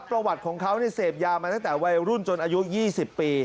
ประวัติของเขาเสพยามาตั้งแต่วัยรุ่นจนอายุ๒๐ปี